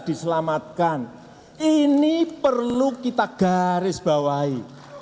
diselamatkan ini perlu kita garis bawahi